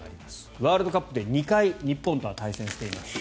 ワールドカップで２回、日本とは対戦しています。